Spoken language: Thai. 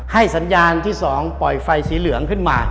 สัญญาณที่๒ปล่อยไฟสีเหลืองขึ้นมา